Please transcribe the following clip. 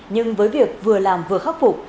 nhưng với việc vừa làm vừa khắc phục